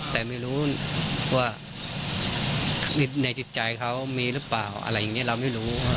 แต่ไม่รู้ว่าในจิตใจเขามีหรือเปล่าอะไรอย่างนี้เราไม่รู้